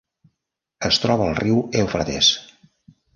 Es troba al riu Eufrates.